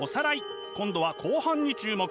今度は後半に注目。